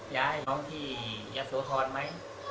ยายน้องที่ยัดสวทรไหม